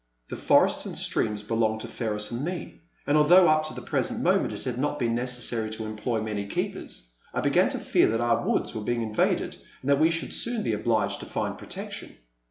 The forests and streams be longed to Ferris and me, and although up to the present moment it had not been necessary to em ploy many keepers, I began to fear that our woods were being invaded and that we should soon be obliged to find protection.